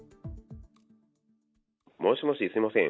もしもし、すみません。